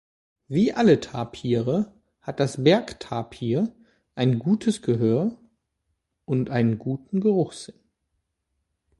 Wie alle Tapire hat der Bergtapir ein gutes Gehör und einen guten Geruchssinn.